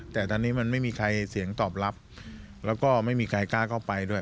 แต่ตอนนี้มันไม่มีใครเสียงตอบรับแล้วก็ไม่มีใครกล้าเข้าไปด้วย